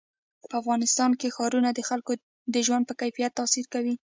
په افغانستان کې ښارونه د خلکو د ژوند په کیفیت تاثیر کوي.